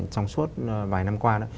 trong suốt vài năm qua